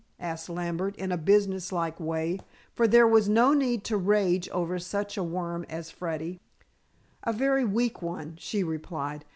asked Lambert in a business like way, for there was no need to rage over such a worm as Freddy. "A very weak one," she replied.